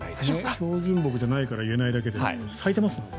標準木じゃないから言えないだけで。